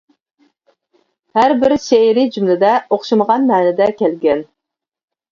ھەر بىر شېئىرى جۈملىدە ئوخشىمىغان مەنىدە كەلگەن.